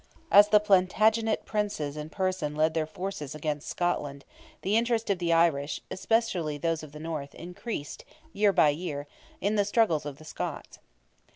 As the Plantagenet Princes in person led their forces against Scotland, the interest of the Irish, especially those of the North, increased, year by year, in the struggles of the Scots.